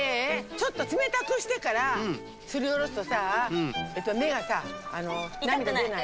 ちょっと冷たくしてからすりおろすとさめがさなみだでない。